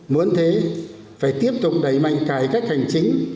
muốn thế phải tiếp tục đẩy mạnh cải cách hành chính